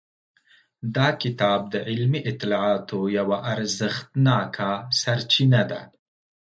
دا کتاب د علمي اطلاعاتو یوه ارزښتناکه سرچینه ده.